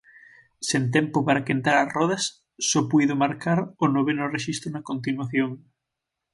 Sen tempo para quentar as rodas, só puido marcar o noveno rexistro na continuación.